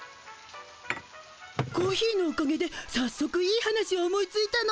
コーヒーのおかげでさっそくいい話を思いついたの。